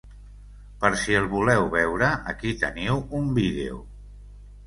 Per si el voleu veure, aquí teniu un vídeo.